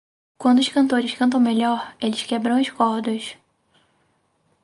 Quando os cantores cantam melhor, eles quebram as cordas.